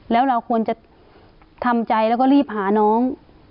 แล้วเราควรจะทำใจแล้วก็รีบหาน้อง